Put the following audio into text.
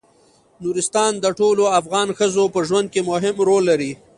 نورستان د ټولو افغان ښځو په ژوند کې مهم رول لري.